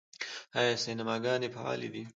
آیا سینماګانې فعالې دي؟